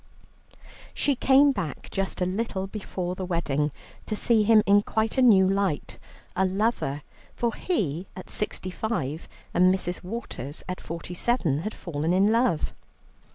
She came back just a little before the wedding to see him in quite a new light a lover, for he at sixty five and Mrs. Waters at forty seven had fallen in love.